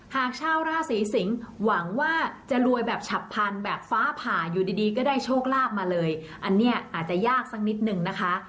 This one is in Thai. หากชาวราศีสิงศ์หวังว่าจะรวยแบบฉับพันธุ์แบบฟ้าผ่าอยู่ดีก็ได้โชคลาภมาเลยอันนี้อาจจะยากสักนิดนึงนะคะ